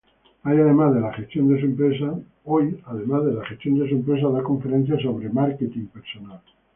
Hoy, además de la gestión de su empresa, da conferencias sobre marketing personal.